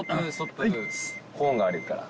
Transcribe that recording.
コーンがあるから。